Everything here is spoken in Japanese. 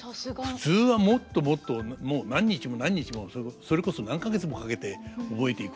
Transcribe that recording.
普通はもっともっともう何日も何日もそれこそ何か月もかけて覚えていくものですから。